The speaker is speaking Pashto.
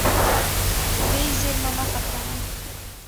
طبیعي زیرمه مه ختموه.